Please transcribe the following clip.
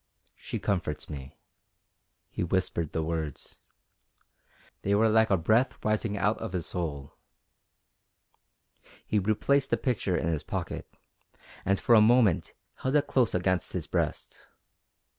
She comforts me._" He whispered the words. They were like a breath rising out of his soul. He replaced the picture in his pocket, and for a moment held it close against his breast.